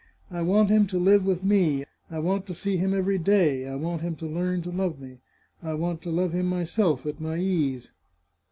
I want him to live with me. I want to see him every day. I want him to learn to love me. I want to love him myself, at my ease.